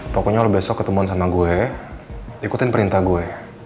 pokoknya besok ketemuan sama gue ikutin perintah gue